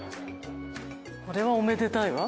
これはおめでたいわ。